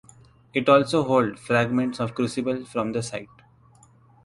It also hold fragments of crucibles from the site.